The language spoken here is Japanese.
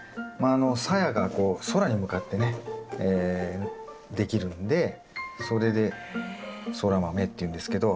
サヤがこう空に向かってねできるんでそれでソラマメっていうんですけど。